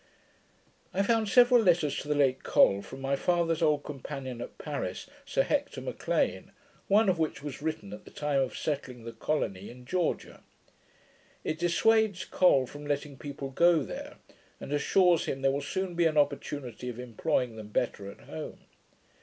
I found several letters to the late Col, from my father's old companion at Paris, Sir Hector M'Lean, one of which was written at the time of settling the colony in Georgia. It dissuades Col from letting people go there, and assures him there will soon be an opportunity of employing them better at home.